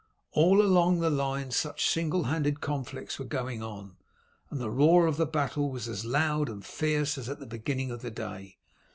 All along the line such single handed conflicts were going on, and the roar of battle was as loud and fierce as at the beginning of the day.